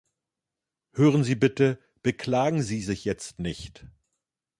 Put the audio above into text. Hören Sie bitte, beklagen Sie sich jetzt nicht.